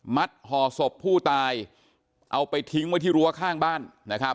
ห่อศพผู้ตายเอาไปทิ้งไว้ที่รั้วข้างบ้านนะครับ